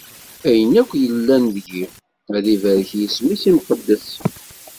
Ayen akk yellan deg-i, ad ibarek yisem-is imqeddes!